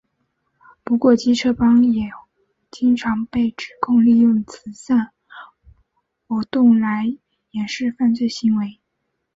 不过机车帮会也经常被指控利用慈善活动来掩饰犯罪行为。